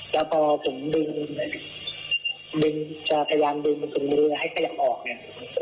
แล้วพอผมดึงจะพยายามดึงมันถึงมือให้ขยับออกเนี่ย